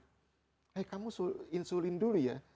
eh kamu insulin dulu ya